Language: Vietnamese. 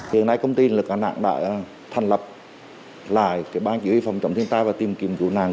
hiện nay công ty lực lượng đà nẵng đã thành lập lại ban chỉ huy phòng chống thiên tai và tìm kiểm chủ nạn